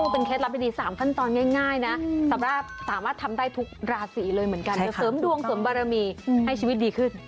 เป็นเคล็ดลับดี๓ขั้นตอนง่ายนะสำหรับสามารถทำได้ทุกราศีเลยเหมือนกันจะเสริมดวงเสริมบารมีให้ชีวิตดีขึ้น